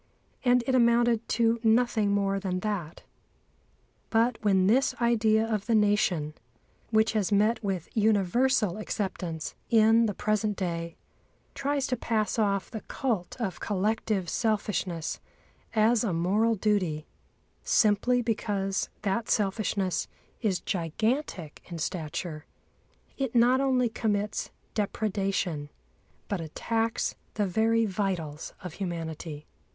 And it amounted to nothing more than that. But when this idea of the Nation, which has met with universal acceptance in the present day, tries to pass off the cult of collective selfishness as a moral duty, simply because that selfishness is gigantic in stature, it not only commits depredation, but attacks the very vitals of humanity.